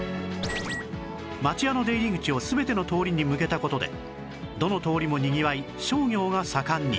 町屋の出入り口を全ての通りに向けた事でどの通りもにぎわい商業が盛んに